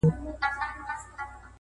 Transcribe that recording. پر دې لاره چي وتلي زه یې شمع د مزار یم -